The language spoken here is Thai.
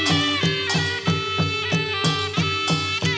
โอ้โฮโอ้โฮโอ้โฮ